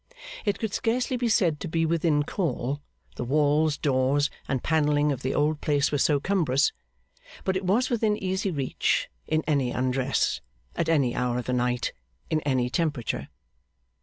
It could scarcely be said to be within call, the walls, doors, and panelling of the old place were so cumbrous; but it was within easy reach, in any undress, at any hour of the night, in any temperature.